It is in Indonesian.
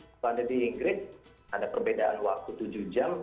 kalau anda di inggris ada perbedaan waktu tujuh jam